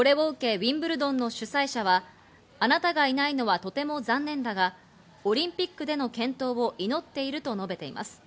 ウィンブルドンの主催者は、あなたがいないのはとても残念だが、オリンピックでの健闘を祈っていると述べています。